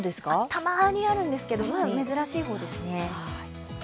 たまーにあるんですけど珍しい方ですね。